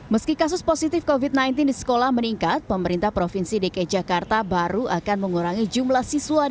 meski kasus positif covid sembilan belas di sekolah meningkat pemerintah provinsi dki jakarta baru akan mengurangi jumlah siswa